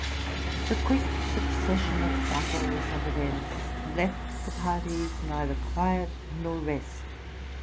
The quick suc cession of battles and events left the parties neither quiet nor rest.